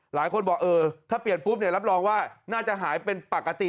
หลายคนบอกเออถ้าเปลี่ยนปุ๊บเนี่ยรับรองว่าน่าจะหายเป็นปกติ